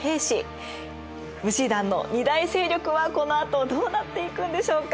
武士団の２大勢力はこのあとどうなっていくんでしょうか？